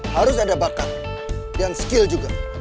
harus ada bakat dan skill juga